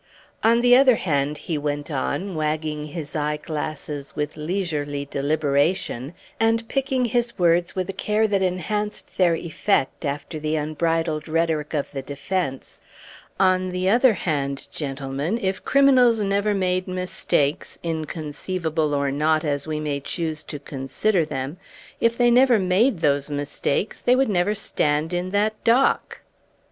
"On the other hand," he went on, wagging his eyeglasses with leisurely deliberation, and picking his words with a care that enhanced their effect, after the unbridled rhetoric of the defence "on the other hand, gentlemen, if criminals never made mistakes, inconceivable or not as we may choose to consider them if they never made those mistakes, they would never stand in that dock."